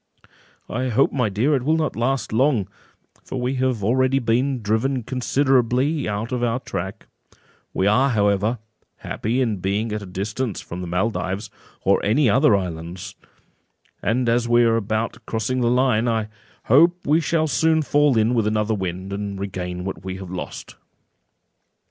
"I hope, my dear, it will not last long, for we have already been driven considerably out of our track; we are, however, happy in being at a distance from the Maldives, or any other islands; and as we are about crossing the line, I hope we shall soon fall in with another wind, and regain what we have lost."